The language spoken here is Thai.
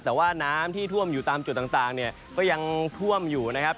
แต่ว่าน้ำที่ท่วมอยู่ตามจุดต่างเนี่ยก็ยังท่วมอยู่นะครับ